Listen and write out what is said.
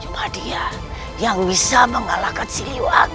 cuma dia yang bisa mengalahkan siwa